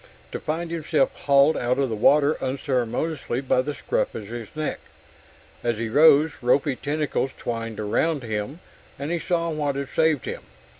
To find himself hauled out of the water unceremoniously by the scruff of his neck. As he rose, ropy tentacles twined about him, and he saw what had saved him.